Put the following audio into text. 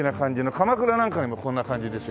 鎌倉なんかもこんな感じですよ